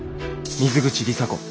「水口里紗子」。